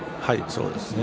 そうですね。